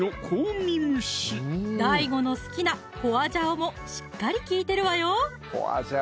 ＤＡＩＧＯの好きなホアジャオもしっかり利いてるわよ